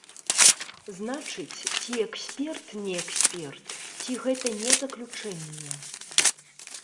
Значыць, ці эксперт не эксперт, ці гэта не заключэнне.